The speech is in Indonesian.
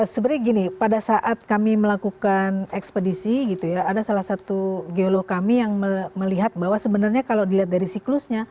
sebenarnya gini pada saat kami melakukan ekspedisi gitu ya ada salah satu geolog kami yang melihat bahwa sebenarnya kalau dilihat dari siklusnya